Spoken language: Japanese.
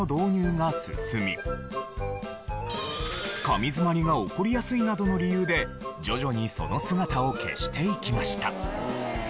紙詰まりが起こりやすいなどの理由で徐々にその姿を消していきました。